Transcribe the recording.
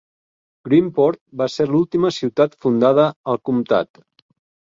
Greenport va ser l'última ciutat fundada al comtat.